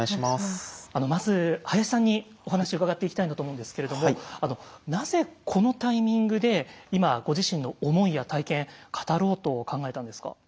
まず林さんにお話伺っていきたいなと思うんですけれどもなぜこのタイミングで今ご自身の思いや体験語ろうと考えたんですか？